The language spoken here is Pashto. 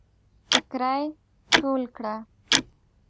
ټيکړی ټول کړه